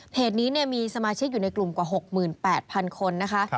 นี้มีสมาชิกอยู่ในกลุ่มกว่า๖๘๐๐๐คนนะคะ